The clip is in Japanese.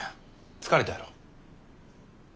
疲れたやろ。